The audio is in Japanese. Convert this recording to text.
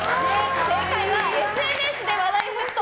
正解は、ＳＮＳで話題沸騰！